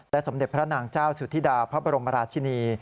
สมเด็จพระนางเจ้าสุธิดาพระบรมราชินี